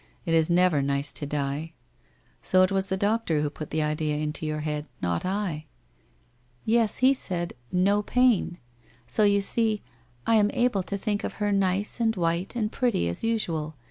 It is never nice to die. So it was the doctor who put the idea into your head, not I ?'' Yes ; he said, " No pain." So you see, I am able to think of her nice and white and pretty as usual.